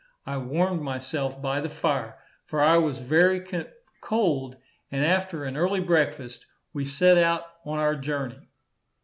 I warmed myself by the fire, for I was very cold, and after an early breakfast, we set out on our journey.